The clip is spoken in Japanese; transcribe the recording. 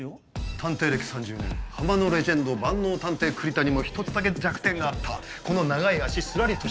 探偵歴３０年ハマのレジェンド万能探偵栗田にも１つだけ弱点があったこの長い脚スラリとした背丈。